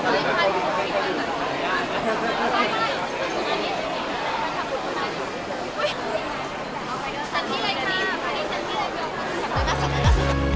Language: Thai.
จริงเหรอฉันกินมาหมดแล้วจะได้มีสามไห้